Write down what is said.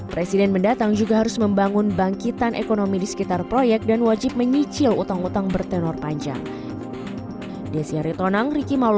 presiden mendatang juga harus membangun bangkitan ekonomi di sekitar proyek dan wajib menyicil utang utang bertenor panjang